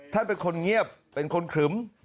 ท่านเป็นคนเงียบเป็นคนขรึ้ม